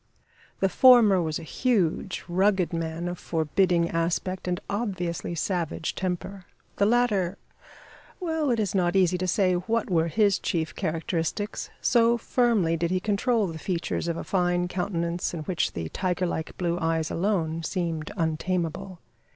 The former was a huge, rugged man of forbidding aspect, and obviously savage temper. The latter well, it is not easy to say what were his chief characteristics, so firmly did he control the features of a fine countenance in which the tiger like blue eyes alone seemed untamable.